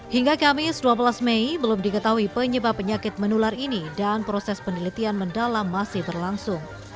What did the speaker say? hingga kamis dua belas mei belum diketahui penyebab penyakit menular ini dan proses penelitian mendalam masih berlangsung